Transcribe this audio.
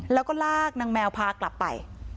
แล้วก็ลากนางแมวพากลับไป